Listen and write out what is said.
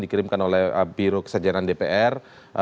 dikirimkan oleh pihak sejarah dpr